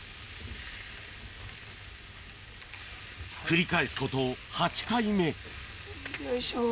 繰り返すこと８回目よいしょ。